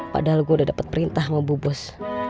padahal gue udah dapet perintah sama bu bos